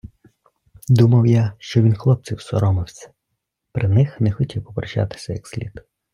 Думав я, що він хлопців соромився, при них не хотів попрощатись як слід.